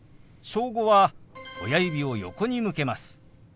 「小５」は親指を横に向けます。